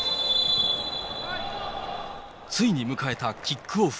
ついに迎えたキックオフ。